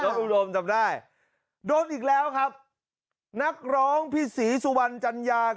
ตอนนั้นไปร้องเรื่องโน้ตอุดมเดียวติดตาม